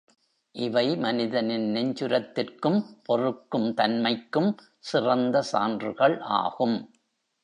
இவை மனிதனின் நெஞ்சுரத்திற்கும் பொறுக்கும் தன் மைக்கும் சிறந்த சான்றுகள் ஆகும்.